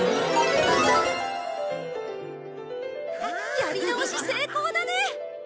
やり直し成功だね！